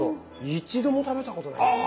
一度も食べたことないですね。